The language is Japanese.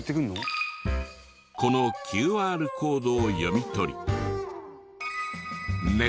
このＱＲコードを読み取り。